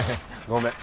ごめん。